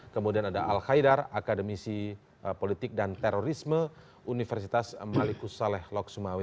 kemudian ada al khaidar akademisi politik dan terorisme universitas malikus saleh lok sumawi